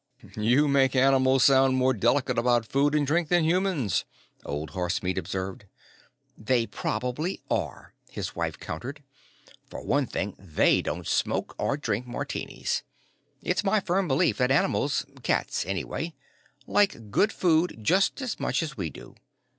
"You make animals sound more delicate about food and drink than humans," Old Horsemeat observed. "They probably are," his wife countered. "For one thing they don't smoke, or drink Martinis. It's my firm belief that animals cats, anyway like good food just as much as we do.